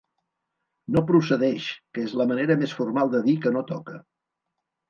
No procedeix, que és la manera més formal de dir que no toca.